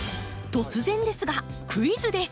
突然ですがクイズです！